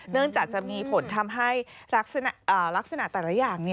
จากจะมีผลทำให้ลักษณะแต่ละอย่าง